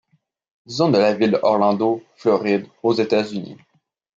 Zone de la ville de Orlando, Floride, aux États-Unis.